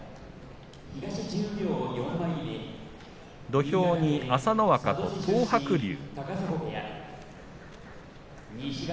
土俵は朝乃若と、東白龍。